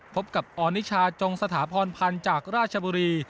พบกับออนิชาจงสถาพรพันธ์จากราชบุรี